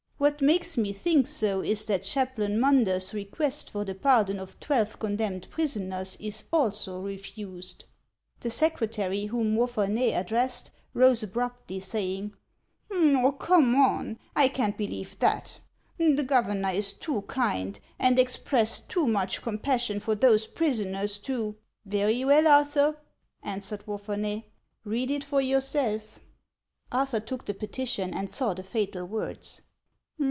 What makes me think so is that Chap lain Munder's request for the pardon of twelve condemned prisoners is also refused." The secretary whom Wapherney addressed, rose abruptly, saying, " Oh, come now, I can't believe that ; the governor is too kind, and expressed too much compassion for those prisoners to —"" Very well, Arthur," answered Wapherney ;" read it for yourself." Arthur took the petition and saw the fatal words.